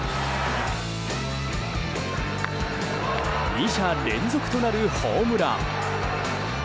２者連続となるホームラン！